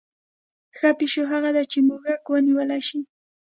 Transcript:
ښه پیشو هغه ده چې موږک ونیولی شي.